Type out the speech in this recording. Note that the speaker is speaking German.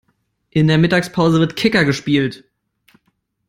In der Mittagspause wird Kicker gespielt.